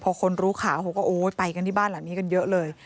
พอคนรู้ข่าวเขาก็โอ้ยไปกันที่บ้านหลังนี้กันเยอะเลย